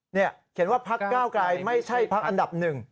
เนี่ยเขียนว่าภักด์๙กลายไม่ใช่ภักด์อันดับ๑